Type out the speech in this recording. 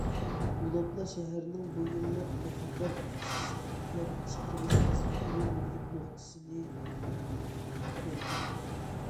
ئۇلاپلا شەھەرنىڭ بۇ يىللىق بىخەتەر ئىشلەپچىقىرىش خىزمىتىنىڭ مۇھىم نۇقتىسىنى ئۇقتۇردى.